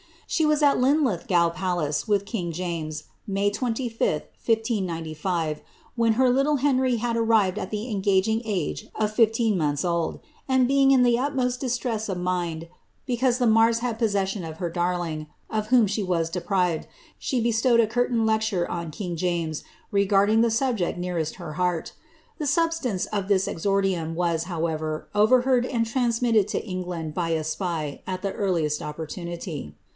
She was at Linlithgow Palace with king James, Hay 25, 1505, when her little Henry had arrived at the engaging age of fifteen months old ; and being in the utmost distress of mind because the Marrs had possession of her darling, of whom she was deprived, she bestowed a curtain lecture on king James, regarding the subject nearest her heart. The substance of this exonlium was, however, overheard and transmitted to England by a spy, at the earliest opportunity.'